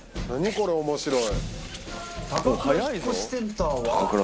これ面白い。